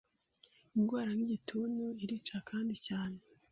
indwara nk’igituntu irica kandi cyane